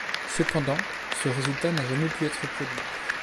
Cependant, ce résultat n'a jamais pu être reproduit.